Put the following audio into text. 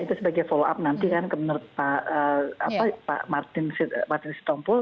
itu sebagai follow up nanti kan menurut pak martin sitompul